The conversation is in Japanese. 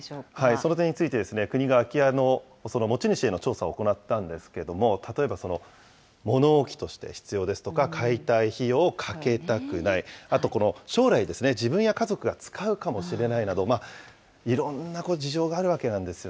その点について、国が空き家の持ち主への調査を行ったんですけれども、例えば物置として必要ですとか、解体費用をかけたくない、あとこの将来ですね、自分や家族が使うかもしれないなど、いろんな事情があるわけなんですよ